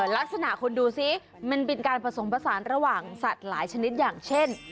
ลักษณะคุณดูสิมันเป็นการผสมผสานระหว่างสัตว์หลายชนิดอย่างเช่น